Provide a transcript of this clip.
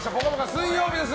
水曜日です。